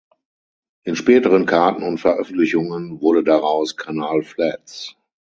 In späteren Karten und Veröffentlichungen wurde daraus „Canal Flats“.